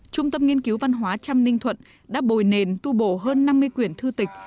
trung tâm nghiên cứu văn hóa trăm ninh thuận đã bồi nền tu bổ hơn năm mươi quyển thư tịch